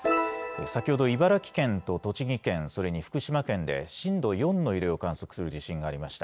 先ほど、茨城県と栃木県、それに福島県で、震度４の揺れを観測する地震がありました。